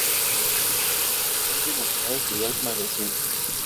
Hoy denominado Ciudad Magazine.